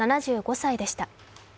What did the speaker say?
７５歳でした。